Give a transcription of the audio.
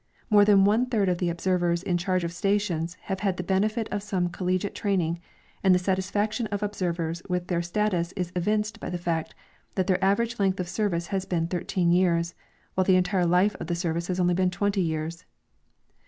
^lore than one third of the observers in charge of stations have had the benefit of some col legiate training, and the satisfaction of observers with their status is evinced l.\v the fact that their average length of service has been 13 years, while the entire life of the' service has only been 20 years.